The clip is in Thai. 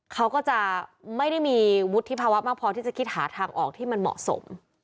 เขาก็จะไม่ได้มีวุฒิภาวะมากพอที่จะคิดหาทางออกที่มันเหมาะสม